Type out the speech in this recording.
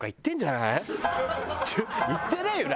行ってないよね？